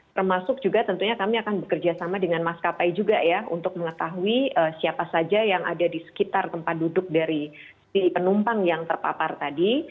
termasuk juga tentunya kami akan bekerja sama dengan maskapai juga ya untuk mengetahui siapa saja yang ada di sekitar tempat duduk dari si penumpang yang terpapar tadi